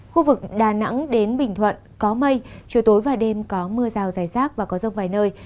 khu vực đà nẵng đến bình thuận có mây chiều tối và đêm có mưa rào dài rác và có rông vài nơi